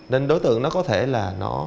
nên đối tượng nó có thể là